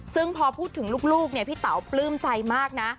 ซึ่งพอพูดถึงลูกเนี่ยพี่เต๋าปลื้มใจมากนะ